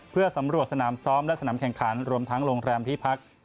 เพื่อสำรวจสนามซ้อมและสนามแข่งขันรวมทั้งโรงแรมที่พัก